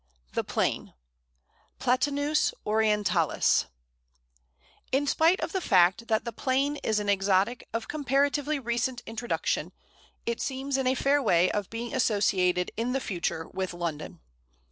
The Plane (Platanus orientalis). In spite of the fact that the Plane is an exotic of comparatively recent introduction, it seems in a fair way of being associated in the future with London.